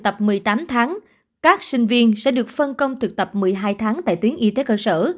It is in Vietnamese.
tập một mươi tám tháng các sinh viên sẽ được phân công thực tập một mươi hai tháng tại tuyến y tế cơ sở